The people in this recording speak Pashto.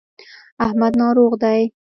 احمد ناروغ دی.